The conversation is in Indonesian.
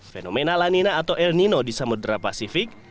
fenomena lanina atau el nino di samudera pasifik